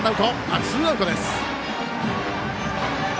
ツーアウトです。